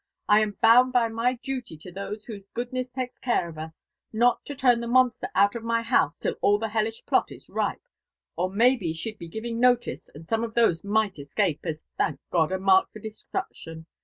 I am bound by my duty to those whose goodness takes care of us, nol to torn the monster out of my house till all the hellish plot is ripe— or maybe she'd be giving notice, and some of those might escape as, thank God I are marked for destruction.